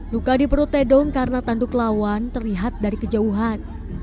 luka di perut tedong karena tanduk lawan terlihat dari kejauhan